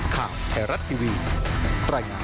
ข่าวแทรรัตต์ทีวีปรายงาน